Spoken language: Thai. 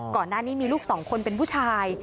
ก่อนหน้านี้มีลูกสองคนเป็นผู้ชาย